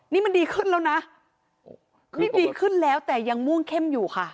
นี่มันดีขึ้นแล้วนะนี่ดีขึ้นแล้วแต่ยังม่วงเข้มอยู่ค่ะ